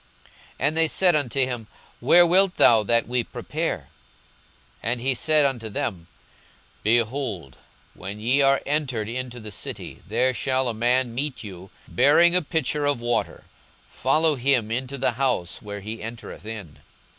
42:022:009 And they said unto him, Where wilt thou that we prepare? 42:022:010 And he said unto them, Behold, when ye are entered into the city, there shall a man meet you, bearing a pitcher of water; follow him into the house where he entereth in.